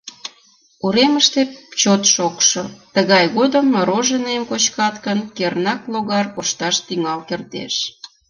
Уремыште чот шокшо, тыгай годым мороженыйым кочкат гын, кернак логар коршташ тӱҥал кертеш.